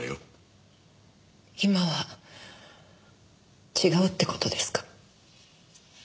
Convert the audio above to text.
今は違うって事ですか？